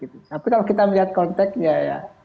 tapi kalau kita melihat konteknya ya